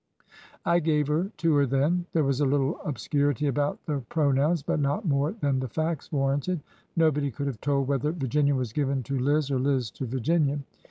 I gave her to her then." (There was a little obscurity about the pro nouns, but not more than the facts warranted. Nobody could have told whether Virginia was given to Liz or Liz to Virginia.)